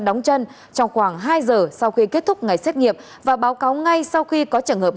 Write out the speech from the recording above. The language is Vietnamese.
đóng chân trong khoảng hai giờ sau khi kết thúc ngày xét nghiệm và báo cáo ngay sau khi có trường hợp